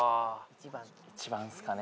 １番っすかね。